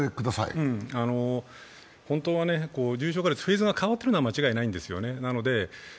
本当は重症化率、フェーズが変わってることは間違いないんですよね。